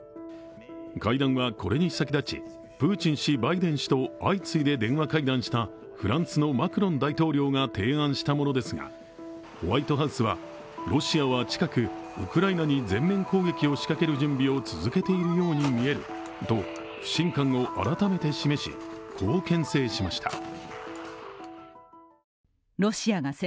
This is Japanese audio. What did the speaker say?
会談は、これに先立ちプーチン氏、バイデン氏と相次いで電話会談したフランスのマクロン大統領が提案したものですがホワイトハウスはロシアに近くウクライナに全面攻撃を仕掛ける動きを続けているようにみえると不信感を改めて示し、こう牽制しました。